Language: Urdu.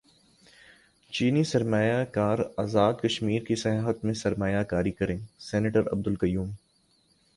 چینی سرمایہ کار ازاد کشمیر کی سیاحت میں سرمایہ کاری کریں سینیٹر عبدالقیوم